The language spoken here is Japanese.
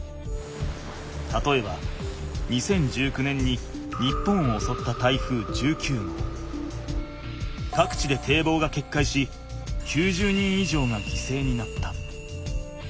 たとえば２０１９年に日本をおそった台風１９号。かくちでていぼうがけっかいし９０人以上がぎせいになった。